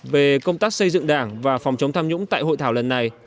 về công tác xây dựng đảng và phòng chống tham nhũng tại hội thảo lần này